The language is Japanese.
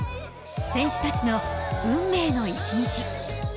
選手たちの運命の一日。